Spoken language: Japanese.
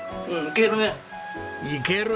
いける！